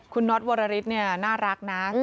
คุณน็อตโวราฬิสน่ารักนะ